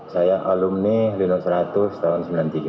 saya alumni lino seratus tahun seribu sembilan ratus sembilan puluh tiga